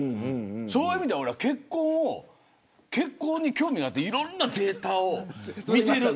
そういう意味では結婚に興味があっていろんなデータを見てる。